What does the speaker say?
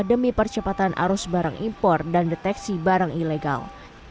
demi percepatan arus barang impor dan deteksi barang ilegal